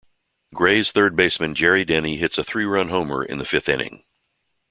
Grays third baseman Jerry Denny hits a three-run homer in the fifth inning.